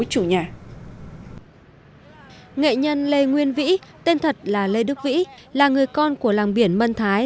nghệ nhân lê nguyên vĩ tên thật là lê đức vĩ là người con của làng biển mân thái